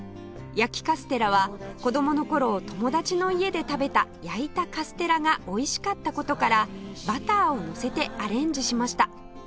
焼きカステラは子供の頃友達の家で食べた焼いたカステラがおいしかった事からバターをのせてアレンジしました